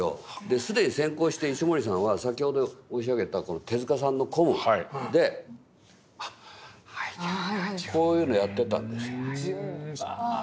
既に先行して石森さんは先ほど申し上げたこの手さんの「ＣＯＭ」でこういうのやってたんですよ。